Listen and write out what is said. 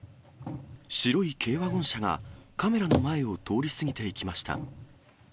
白い軽ワゴン車がカメラの前を通り過ぎていきました。